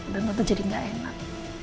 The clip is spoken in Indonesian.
dan tante jadi gak enak